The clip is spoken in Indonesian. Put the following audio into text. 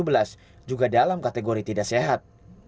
pembedahan di kota bekasi adalah tingkat yang tidak sehat